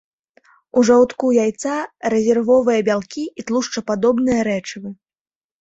У жаўтку яйца рэзервовыя бялкі і тлушчападобныя рэчывы.